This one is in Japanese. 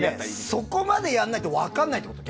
そこまでやんないと分からないってこと？